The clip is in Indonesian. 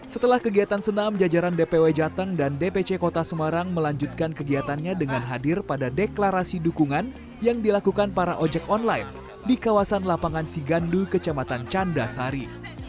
setelah kegiatan senam jajaran dpw jateng dan dpc kota semarang melanjutkan kegiatannya dengan hadir pada deklarasi dukungan yang dilakukan para ojek online di kawasan lapangan sigandu kecamatan candasari